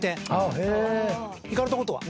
行かれたことは？